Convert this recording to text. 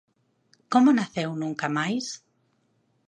Como naceu Nunca Máis?